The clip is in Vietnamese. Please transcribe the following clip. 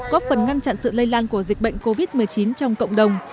góp phần ngăn chặn sự lây lan của dịch bệnh covid một mươi chín trong cộng đồng